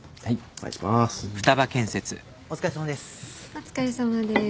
お疲れさまです。